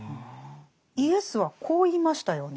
イエスはこう言いましたよね。